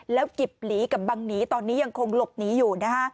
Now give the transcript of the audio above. แล้วกิบหลีกับบังหนีตอนนี้ยังคงหลบหนีอยู่นะฮะ